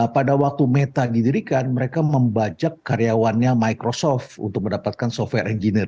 pada waktu meta didirikan mereka membajak karyawannya microsoft untuk mendapatkan software engineer